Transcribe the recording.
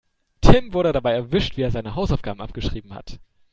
Tim wurde dabei erwischt, wie er seine Hausaufgaben abgeschrieben hat.